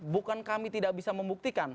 bukan kami tidak bisa membuktikan